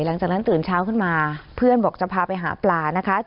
หลังจากนั้นตื่นเช้าขึ้นมาเพื่อนบอกจะพาไปหาปลานะคะ